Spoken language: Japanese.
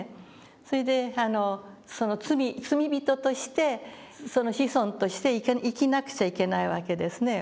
それで罪人としてその子孫として生きなくちゃいけないわけですね。